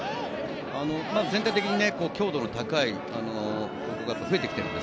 全体的に強度の高いところが増えてきています。